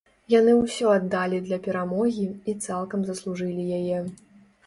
Яны ўсё аддалі для перамогі, і цалкам заслужылі яе.